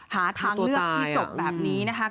หาทางเลือกที่จบแบบนี้นะคะ